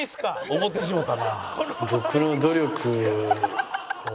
思ってしもたな。